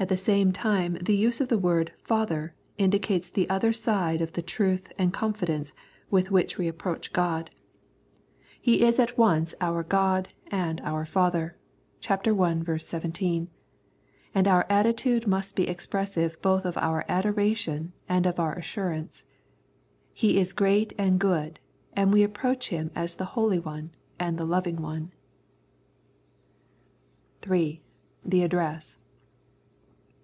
At the same time the use of the word " Father " indicates the other side of the truth and confidence with which we approach God. He is at once our 113 The Prayers of St. Paul God and our Father (ch. i. 17), and oui attitude must be expressive both of our adoration and of our assurance. He is great and good, and we approach Him as the Holy One and the Loving One. 3. The Address.